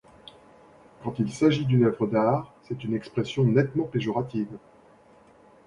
Quand il s'agit d'une œuvre d'art, c'est une expression nettement péjorative.